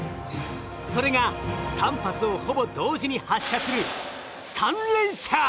それが３発をほぼ同時に発射する「３連射」！